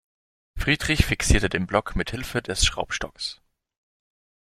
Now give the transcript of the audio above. Friedrich fixierte den Block mithilfe des Schraubstocks.